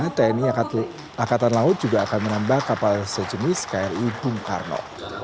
karena tni angkatan laut juga akan menambah kapal sejenis kri bung karno